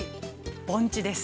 盆地です。